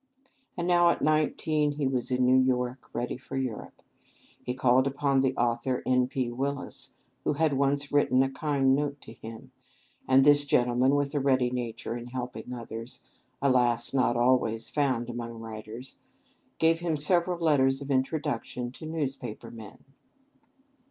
And now at nineteen, he was in New York, ready for Europe. He called upon the author, N. P. Willis, who had once written a kind note to him; and this gentleman, with a ready nature in helping others, alas! not always found among writers gave him several letters of introduction to newspaper men.